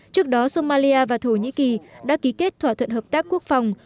trước đó somali và thổ nhĩ kỳ đã ký kết thỏa thuận hợp tác quốc phòng